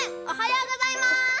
おはようございます！